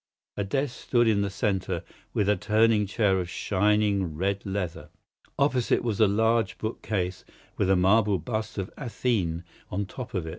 A desk stood in the centre, with a turning chair of shining red leather. Opposite was a large bookcase, with a marble bust of Athene on the top.